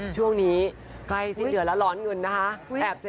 ช่วงนี้ใกล้สิ้นเดือนแล้วร้อนเงินนะคะ